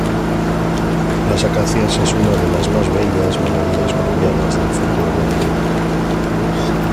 Las acacias es una de las más bellas melodías colombianas del folclor andino.